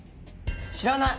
知らない。